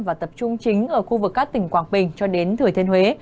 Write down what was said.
và tập trung chính ở khu vực các tỉnh quảng bình cho đến thừa thiên huế